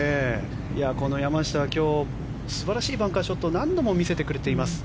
この山下は今日素晴らしいバンカーショットを何度も見せてくれています。